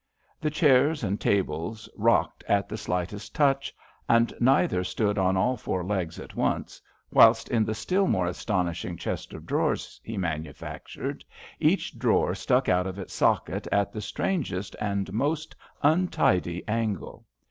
70 THE FARTHING The chairs and tables rocked at the slightest touch, and neither stood on all four legs at once, whilst in the still more astonishing chest of drawers he manujfactured, each drawer stuck out of its socket at the strangest and most untidy angle.